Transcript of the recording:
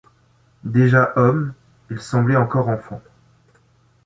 Déjà homme, il semblait encore enfant.